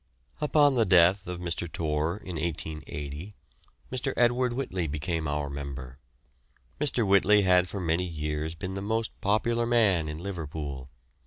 Upon the death of Mr. Torr in 1880, Mr. Edward Whitley became our member. Mr. Whitley had for many years been the most popular man in Liverpool.